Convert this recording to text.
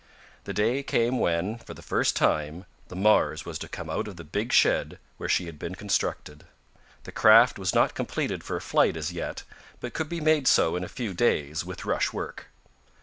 The day came when, for the first time, the Mars was to come out of the big shed where she had been constructed. The craft was not completed for a flight as yet, but could be made so in a few days, with rush work.